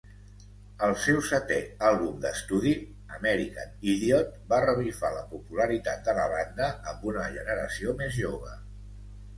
El seu setè àlbum d'estudi "American Idiot" va revifar la popularitat de la banda amb una generació més jove.